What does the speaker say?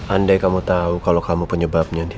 andai kamu tahu kalau kamu penyebabnya deh